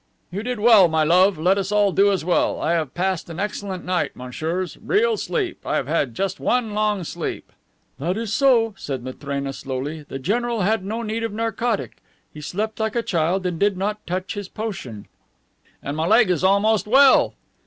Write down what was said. "You did well, my love. Let us all do as well. I have passed an excellent night, messieurs. Real sleep! I have had just one long sleep." "That is so," said Matrena slowly. "The general had no need of narcotic. He slept like a child and did not touch his potion." "And my leg is almost well."